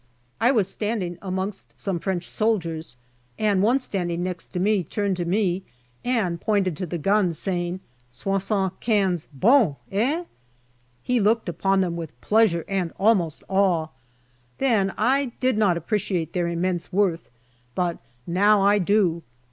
I was standing amongst some French soldiers, and one standing next to me turned to me and pointed to the guns, saying " Soixante quinze, bon eh ?" He looked upon them with pleasure and almost awe. Then I did not appreciate their immense worth, but now I do.